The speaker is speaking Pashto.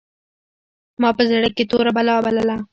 ما په زړه کښې توره بلا بلله.